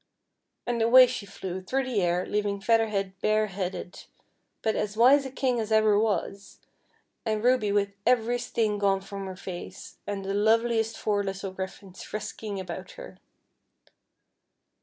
And away she flew through the air, leaving Feather Head bare headed, but as wise a King as ever was, and Ruby with every sting gone from her face, and the loveliest four little griflftns frisking about her.